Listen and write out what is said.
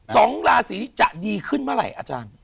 สองราศีนี้จะดีขึ้นเมื่อไหร่อาจารย์